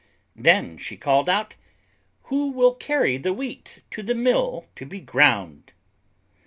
Then she called out: "Who will carry the Wheat to the mill to be ground?"